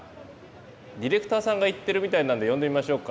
ディレクターさんが行ってるみたいなんで呼んでみましょうか。